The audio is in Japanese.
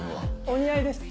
お似合いです。